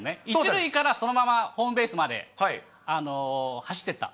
１塁からそのままホームベース迄走ってった。